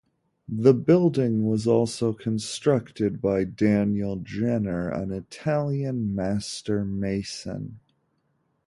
The building was also constructed by Daniel Jenner, an Italian master mason.